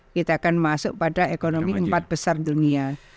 kita akan masuk pada ekonomi empat besar dunia